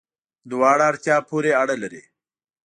دواړه، اړتیا پوری اړه لری